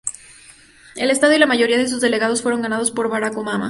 El estado, y la mayoría de sus delegados, fueron ganados por Barack Obama.